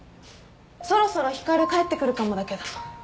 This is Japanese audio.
そろそろ光帰ってくるかもだけど。